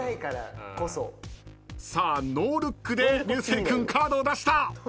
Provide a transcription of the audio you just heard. さあノールックで流星君カードを出した。